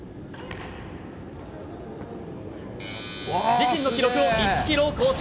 自身の記録を１ｋｇ更新。